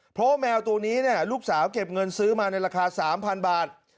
เพราะว่าแมวตัวนี้ลูกสาวเก็บเงินซื้อมาในราคา๓๐๐บาท